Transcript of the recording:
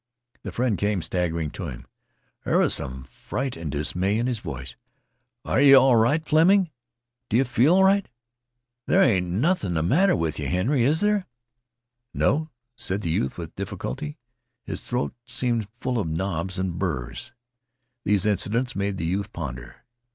The friend came staggering to him. There was some fright and dismay in his voice. "Are yeh all right, Fleming? Do yeh feel all right? There ain't nothin' th' matter with yeh, Henry, is there?" "No," said the youth with difficulty. His throat seemed full of knobs and burs. These incidents made the youth ponder.